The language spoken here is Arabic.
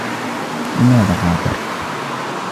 لماذا غادر؟